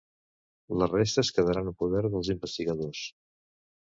Les restes quedaran en poder dels investigadors